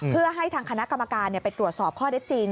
เพื่อให้ทางคณะกรรมการไปตรวจสอบข้อได้จริง